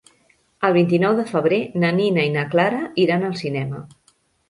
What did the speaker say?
El vint-i-nou de febrer na Nina i na Clara iran al cinema.